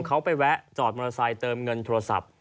เขาไปแวะจอดมอเตอร์ไซค์เติมเงินโทรศัพท์